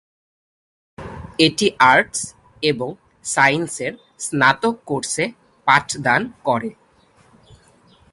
এটি আর্টস এবং সায়েন্সের স্নাতক কোর্সে পাঠদান করে।